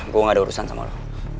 gue gak ada urusan sama lo